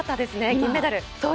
銀メダル。